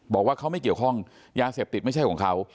บอกว่าเขาไม่เกี่ยวข้องยาเสพติดไม่ใช่ของเขา